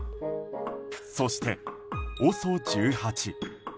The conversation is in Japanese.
そして、ＯＳＯ１８。